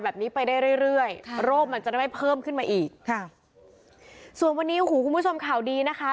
แบบนี้ไปได้เรื่อยโล่มมันจะได้แบบให้เพิ่มขึ้นมาอีกค่ะส่วนวันีหูคุมผู้ชมข่าวดีนะคะ